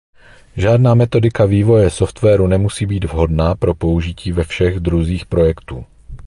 Žádná metodika vývoje softwaru nemusí být vhodná pro použití ve všech druzích projektů.